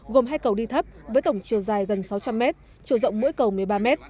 gồm hai cầu đi thấp với tổng chiều dài gần sáu trăm linh m chiều rộng mỗi cầu một mươi ba m